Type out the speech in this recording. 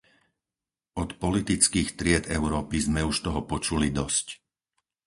Od politických tried Európy sme už toho počuli dosť.